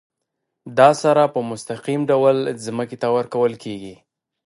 دا سره په مستقیم ډول ځمکې ته ورکول کیږي.